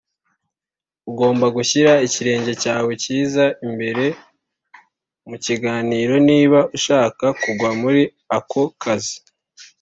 ugomba gushyira ikirenge cyawe cyiza imbere mukiganiro niba ushaka kugwa muri ako kazi.